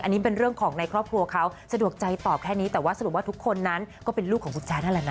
อันนี้เป็นเรื่องของในครอบครัวเขาสะดวกใจตอบแค่นี้แต่ว่าสรุปว่าทุกคนนั้นก็เป็นลูกของคุณแจ๊ดนั่นแหละนะ